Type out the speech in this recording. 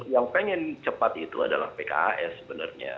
yang pengen cepat itu adalah pks sebenarnya